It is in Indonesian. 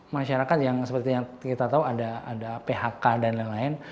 masyarakat yang seperti yang kita tahu ada phk dan lain lain